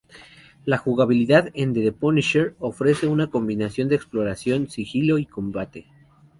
La jugabilidad en "The Punisher" ofrece una combinación de exploración, sigilo y combate.